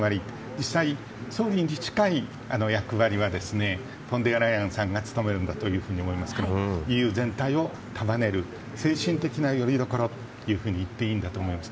実際、総理に近い役割はフォン・デア・ライエンさんが務めるんだと思いますが思いますがＥＵ全体を束ねる精神的なよりどころだと行っていいと思います。